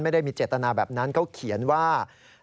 ไม่ได้มีเจตนาแบบนั้นเขาเขียนว่า